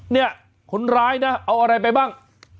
เนี่ยคนร้ายนะเอาอะไรไปบ้าง